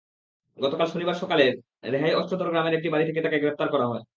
গতকাল শনিবার সকালে রেহাইঅষ্টধর গ্রামের একটি বাড়ি থেকে তাঁকে গ্রেপ্তার করা হয়।